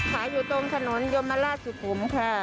ขายอยู่ตรงถนนยมมาราชสุกุมค่ะ